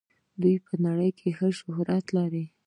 دوی په نړۍ کې ښه شهرت لري.